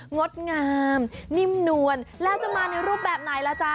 งดงามนิ่มนวลแล้วจะมาในรูปแบบไหนล่ะจ๊ะ